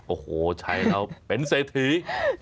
โอ้โหใช้แล้วเป็นเศรษฐี